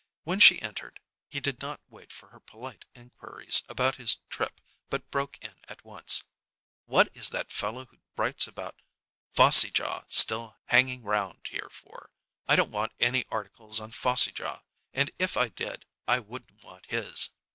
When she entered, he did not wait for her polite inquiries about his trip, but broke in at once. "What is that fellow who writes about phossy jaw still hanging round here for? I don't want any articles on phossy jaw, and if I did, I wouldn't want his."